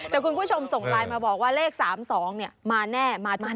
แต่คุณผู้ชมส่งไลน์มาบอกว่าเลข๓๒เนี่ยมาแน่มาทุกวัน